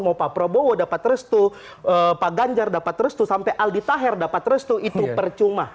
mau pak prabowo dapat restu pak ganjar dapat restu sampai aldi taher dapat restu itu percuma